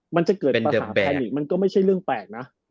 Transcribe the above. มันจะเกิดประสาทแทนอีกมันก็ไม่ใช่เรื่องแปลกนะ